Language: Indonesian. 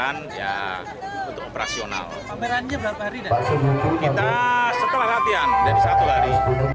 andi gerak untuk operasional pamerannya berarti dengan pelihata ketika setelah latihan untuk fatigue